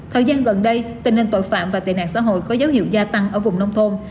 thời gian gần đây tình hình tội phạm và tệ nạn xã hội có dấu hiệu gia tăng ở vùng nông thôn